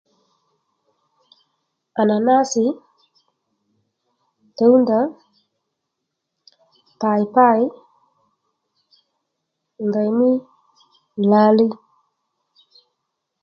Ànànásì, túwnda. paypay ndèymí làliy